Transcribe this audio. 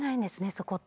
そこって。